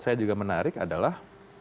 saya juga menarik adalah